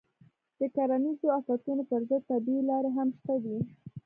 د کرنیزو آفتونو پر ضد طبیعي لارې هم شته دي.